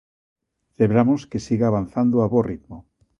Celebramos que siga avanzando a bo ritmo.